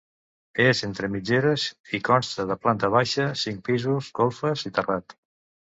És entre mitgeres i consta de planta baixa, cinc pisos, golfes i terrat.